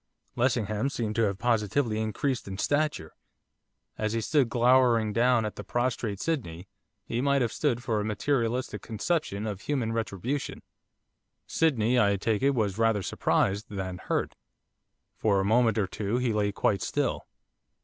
Lessingham seemed to have positively increased in stature. As he stood glowering down at the prostrate Sydney, he might have stood for a materialistic conception of human retribution. Sydney, I take it, was rather surprised than hurt. For a moment or two he lay quite still.